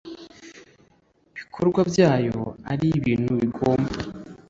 Cy ibikorwa byayo ari ibintu bigomba